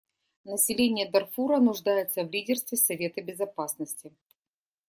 Население Дарфура нуждается в лидерстве Совета Безопасности.